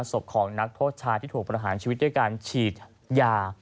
ศพของนักโทษชายที่ถูกประหารชีวิตด้วยการฉีดยา